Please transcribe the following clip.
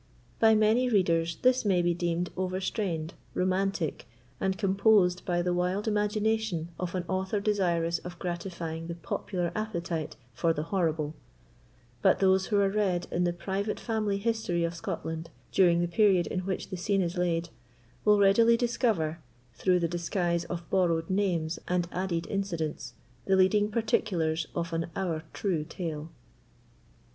By many readers this may be deemed overstrained, romantic, and composed by the wild imagination of an author desirous of gratifying the popular appetite for the horrible; but those who are read in the private family history of Scotland during the period in which the scene is laid, will readily discover, through the disguise of borrowed names and added incidents, the leading particulars of AN OWER TRUE TALE.